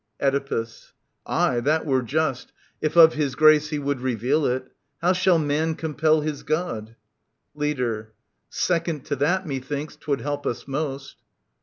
Oedipus. Aye, that were just, if of his grace he would Reveal it. How shall man compel his God ? Leader. Second to that, methinks, 'twould help us most